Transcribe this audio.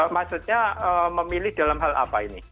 maksudnya memilih dalam hal apa ini